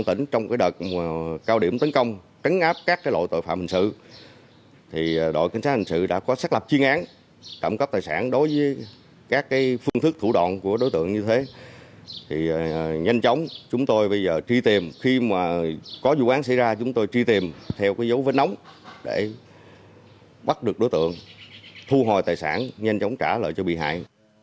bàn chỉ huy công an tp tân an đã xác lập chuyên án trộm các tài sản với phương thức trộm các tài sản với phương thức trộm đột nhập trên địa bàn